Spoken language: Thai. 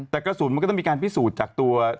แต่กระสุนมันก็ต้องมีการพิสูจน์จากตัว